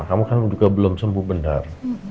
kamu kan juga belum sembuh benar